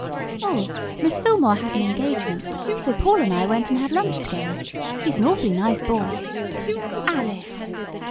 "Oh, Miss Fillmore had an engagement, so Paul and I went and had lunch together. He's an awfully nice boy!" "Alice!"